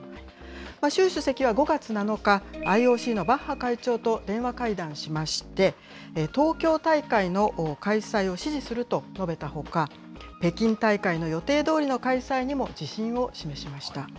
習主席は５月７日、ＩＯＣのバッハ会長と電話会談しまして、東京大会の開催を支持すると述べたほか、北京大会の予定どおりの開催にも自信を示しました。